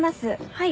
はい。